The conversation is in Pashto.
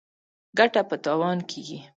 ـ ګټه په تاوان کېږي.